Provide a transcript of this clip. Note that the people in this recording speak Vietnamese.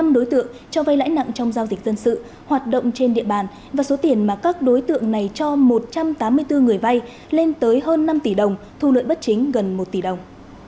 năm đối tượng cho vay lãi nặng trong giao dịch dân sự hoạt động trên địa bàn và số tiền mà các đối tượng này cho một trăm tám mươi bốn người vay lên tới hơn năm tỷ đồng thu lợi bất chính gần một tỷ đồng